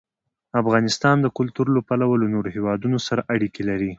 افغانستان د کلتور له پلوه له نورو هېوادونو سره اړیکې لري.